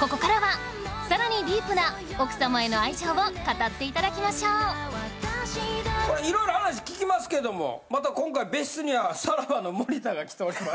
ここからはさらにディープな奥様への愛情を語って頂きましょうこれいろいろ話聞きますけどもまた今回別室にはさらばの森田が来ております。